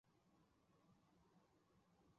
沙朗孔。